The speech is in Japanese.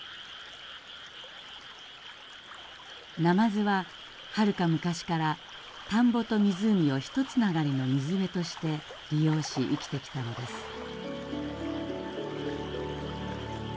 ナマズははるか昔から田んぼと湖をひとつながりの水辺として利用し生きてきたのです。